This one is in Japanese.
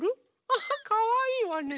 アハかわいいわね。